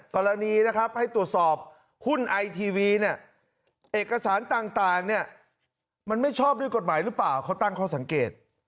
กรณีนะครับให้ตรวจสอบหุ้นไอทีวีเนี่ยเอกสารต่างเนี่ยมันไม่ชอบด้วยกฎหมายหรือเปล่าเขาตั้งข้อสังเกต